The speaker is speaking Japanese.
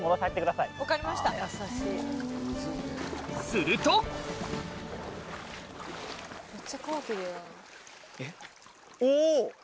するとお！